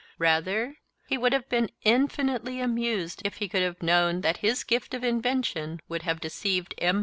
Rather he would have been infinitely amused if he could have known that his gift of invention would have deceived M.